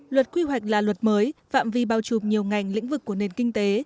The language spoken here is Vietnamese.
luật quy hoạch là luật mới phạm vi bao trùm nhiều ngành lĩnh vực của nền kinh tế